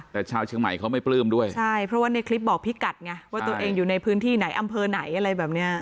แต่ชาวเชียงใหม่เขาไม่ปลื้มด้วยใช่เพราะว่าในคลิปบอกพี่กัดไงว่าตัวเองอยู่ในพื้นที่ไหนอำเภอไหนอะไรแบบเนี้ย